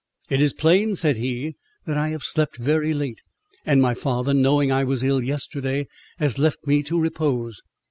—"It is plain," said he, "that I have slept very late, and my father, knowing I was ill yesterday, has left me to repose.